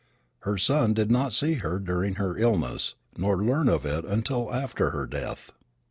Her son did not see her during her illness, nor learn of it until after her death.